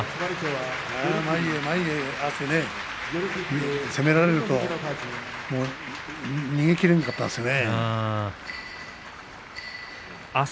前へ前へ攻められると逃げきれなかったですね。